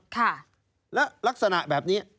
ค่ะและลักษณะแบบนี้